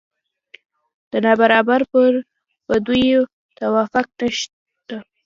د نابرابرۍ پر بدیو توافق شته.